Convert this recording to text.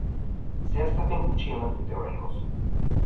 Zehaztapen gutxi eman dute, oraingoz.